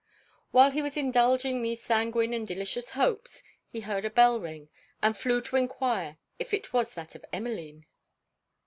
While he was indulging these sanguine and delicious hopes, he heard a bell ring, and flew to enquire if it was that of Emmeline?